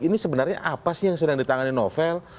ini sebenarnya apa sih yang sedang di tangan novel